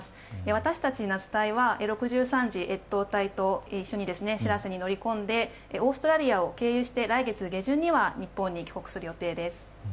私たち、夏隊は第６３次観測隊と「しらせ」に乗り込んでオーストラリアを経由して来月下旬には帰国する予定です。